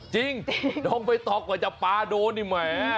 จริงน้องใบต๊อกกว่าจะปาโดนไอ้แม่